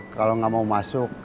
kalau gak mau masuk